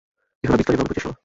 Jeho nabídka mě velmi potěšila.